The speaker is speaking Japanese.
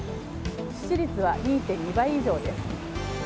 致死率は２．２倍以上です。